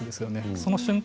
その瞬間